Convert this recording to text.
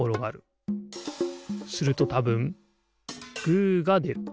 するとたぶんグーがでる。